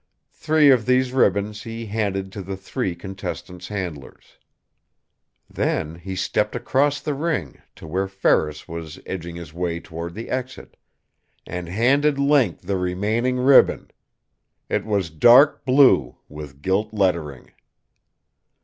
Three of these ribbons he handed to the three contestants' handlers. Then he stepped across the ring to where Ferris was edging his way toward the exit; and handed Link the remaining ribbon. It was dark blue, with gilt lettering.